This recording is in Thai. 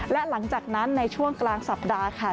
และหลังจากนั้นในช่วงกลางสัปดาห์ค่ะ